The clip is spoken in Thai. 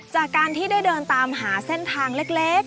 จากการที่ได้เดินตามหาเส้นทางเล็ก